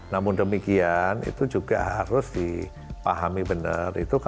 namun demikian itu juga harus dipahami benar